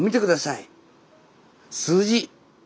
数字。